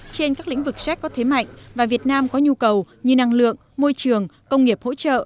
trên các lĩnh vực séc có thế mạnh và việt nam có nhu cầu như năng lượng môi trường công nghiệp hỗ trợ